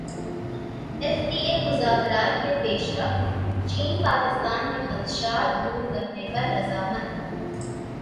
F T A مذاکرات میں پیش رفت چین پاکستان کے خدشات دور کرنے پر رضامند